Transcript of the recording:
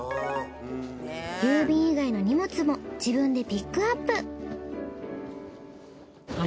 郵便以外の荷物も自分でピックアップ。